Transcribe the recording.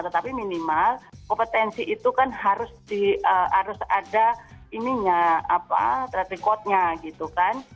tetapi minimal kompetensi itu kan harus ada track recordnya gitu kan